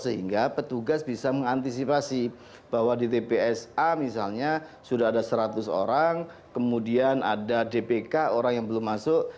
sehingga petugas bisa mengantisipasi bahwa di tpsa misalnya sudah ada seratus orang kemudian ada dpk orang yang belum masuk